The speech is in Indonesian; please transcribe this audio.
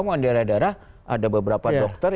maupun di daerah daerah ada beberapa dokter